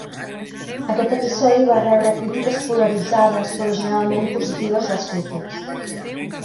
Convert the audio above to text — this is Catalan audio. Aquest episodi va rebre crítiques polaritzades però generalment positives dels crítics.